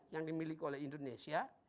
yang dimiliki oleh indonesia